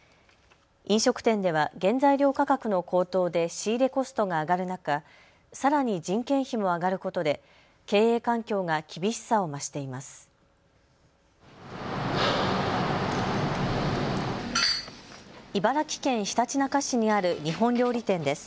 飲食店では原材料価格の高騰で仕入れコストが上がる中、さらに人件費も上がることで経営環境が厳しさを増しています。